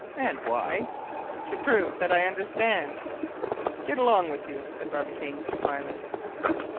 "And why?" "To prove that I understand." "Get along with you," said Barbicane, smiling.